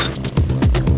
wah keren banget